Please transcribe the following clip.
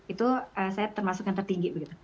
itu saya termasuk yang tertinggi begitu